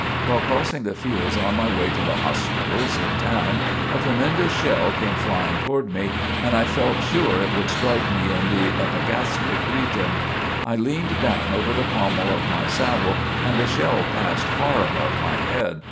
While crossing the fields on my way to the hospitals in town, a tremendous shell came flying towards me, and I felt sure it would strike me in the epigastric region. I leaned down over the pommel of my saddle and the shell passed far above my head.